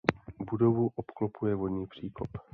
Budovu obklopuje vodní příkop.